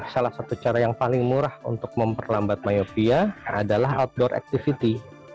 salah satu cara yang paling murah untuk memperlambat miopia adalah outdoor activity